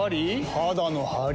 肌のハリ？